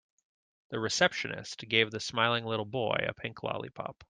The receptionist gave the smiling little boy a pink lollipop.